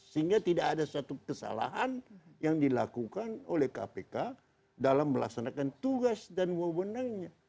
sehingga tidak ada suatu kesalahan yang dilakukan oleh kpk dalam melaksanakan tugas dan wewenangnya